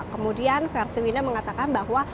kemudian versi winda mengatakan bahwa